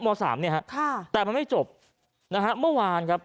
มสามเนี่ยฮะค่ะแต่มันไม่จบนะฮะเมื่อวานครับ